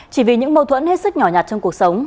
chỉ vì những mâu thuẫn hết sức nhỏ nhặt trong cuộc sống